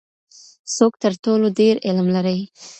څوک تر ټولو ډیر علم لري؟